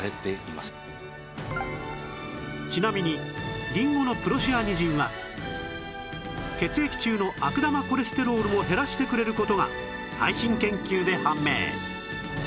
ちなみにりんごのプロシアニジンは血液中の悪玉コレステロールも減らしてくれる事が最新研究で判明